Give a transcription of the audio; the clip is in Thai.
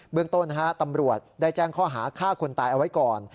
เรื่องต้นตำรวจได้แจ้งข้อหาฆ่าคนตายเอาไว้ก่อน